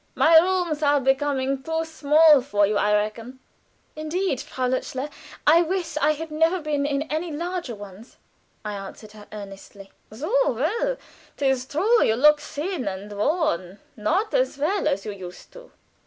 My rooms are becoming too small for you, I reckon." "Indeed, Frau Lutzler, I wish I had never been in any larger ones," I answered her, earnestly. "So! Well, 'tis true you look thin and worn not as well as you used to.